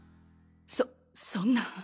そそんな。